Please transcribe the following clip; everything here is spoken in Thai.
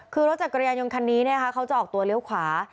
คือรถจักรยานยนต์คันนี้เขาจะออกตัวเลี้ยวขวา